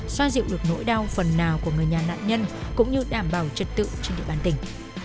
xoa dịu được nỗi đau phần nào của người nhà nạn nhân cũng như đảm bảo trật tự trên địa bàn tỉnh